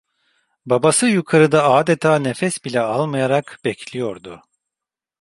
Babası yukarıda adeta nefes bile almayarak bekliyordu.